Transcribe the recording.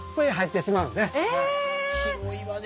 広いわね